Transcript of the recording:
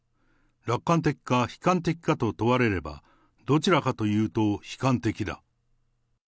楽観的か、悲観的かと問われれば、どちらかというと悲観的だ。